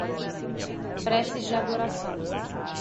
Preces de adoração